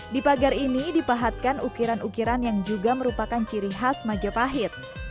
di pagar ini dipahatkan ukiran ukiran yang juga merupakan ciri khas majapahit